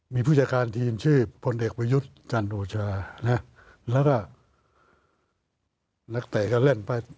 มีผู้จัดการทีมชื่อพลเด็กวิยุธจันทร์โอชาแล้วก็นักแต่ก็เล่นไป